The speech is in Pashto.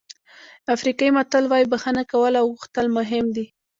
افریقایي متل وایي بښنه کول او غوښتل مهم دي.